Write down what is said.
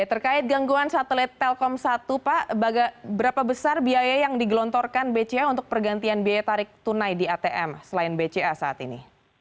terkait gangguan satelit telkom satu pak berapa besar biaya yang digelontorkan bca untuk pergantian biaya tarik tunai di atm selain bca saat ini